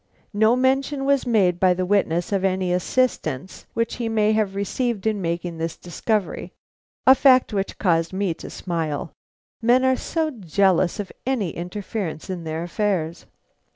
No mention was made by the witness of any assistance which he may have received in making this discovery; a fact which caused me to smile: men are so jealous of any interference in their affairs.